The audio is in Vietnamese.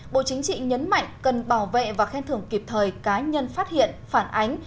bộ chính trị nhấn mạnh cần bảo vệ và khen thưởng kịp thời cá nhân phát hiện phản ánh